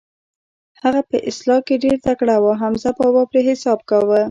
هغه په اصلاح کې ډېر تکړه و، حمزه بابا پرې حساب کاوه.